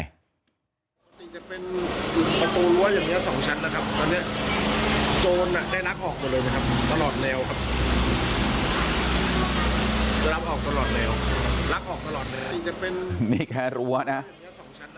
ประตูรัวอย่างเนี้ยสองชั้นนะครับตอนเนี้ยโซนอ่ะได้รักออกหมดเลยนะครับตลอดแนวครับจะรับออกตลอดแนวรักออกตลอดแนว